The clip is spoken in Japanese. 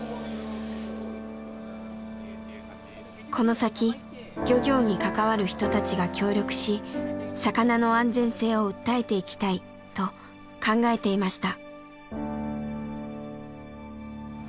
この先漁業に関わる人たちが協力し魚の安全性を訴えていきたいと考えていました。